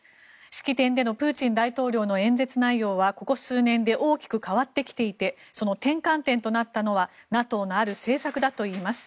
式典でのプーチン大統領の演説内容はここ数年で大きく変わってきていてその転換点となったのはＮＡＴＯのある政策だといいます。